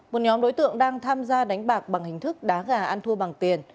các đối tượng đang tham gia đánh bạc bằng hình thức đá gà ăn thua bằng tiền